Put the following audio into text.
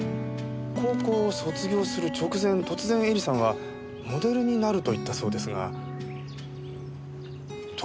高校を卒業する直前突然絵里さんはモデルになると言ったそうですがどうしてなんでしょう？